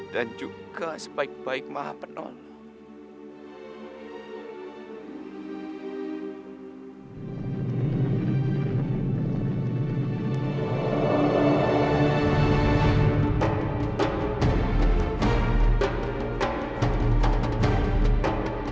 dan juga sebaik baik maha penolong